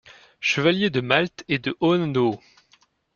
Chevalier de Malte et de Hohenlohe.